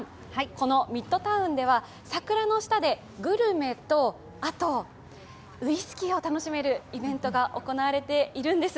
このミッドタウンでは桜の下でグルメとあとウイスキーを楽しめるイベントが行われているんです。